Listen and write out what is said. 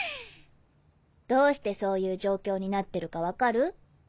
どうしてそういう状況になってるか分かる？